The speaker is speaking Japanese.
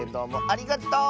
ありがとう！